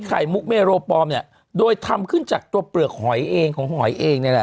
มุกเมโรปลอมเนี่ยโดยทำขึ้นจากตัวเปลือกหอยเองของหอยเองเนี่ยแหละ